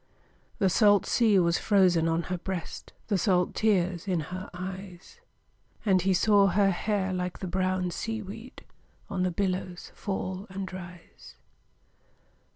The salt sea was frozen on her breast, The salt tears in her eyes; And he saw her hair like the brown sea weed On the billows fall and rise.